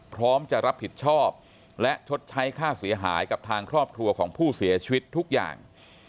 พร้อมจะรับผิดชอบและชดใช้ค่าเสียหายกับทางครอบครัวของผู้เสียชีวิตทุกอย่าง